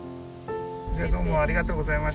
じゃあどうもありがとうございました。